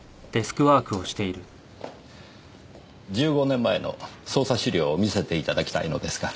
１５年前の捜査資料を見せていただきたいのですが。